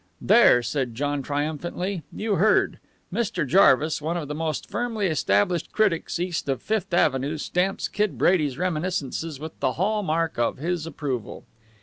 "There!" said John triumphantly. "You heard? Mr. Jarvis, one of the most firmly established critics east of Fifth Avenue stamps Kid Brady's reminiscences with the hall mark of his approval."